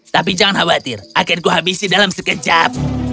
tapi jangan khawatir akan kuhabisi dalam sekejap